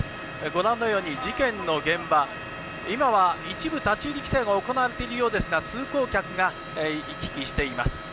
ご覧のように事件の現場、今は一部、立ち入り規制が行われているようですが、通行客が行き来しています。